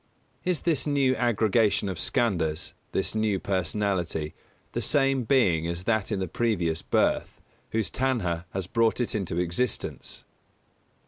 _Is this new aggregation of Skandhas this new personality the same being as that in the previous birth, whose Tanhā has brought it into existence?